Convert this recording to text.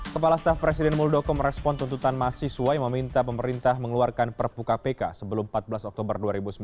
kepala staf presiden muldoko merespon tuntutan mahasiswa yang meminta pemerintah mengeluarkan perpu kpk sebelum empat belas oktober dua ribu sembilan belas